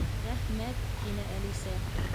—Рәхмәт, —тине Әлисә.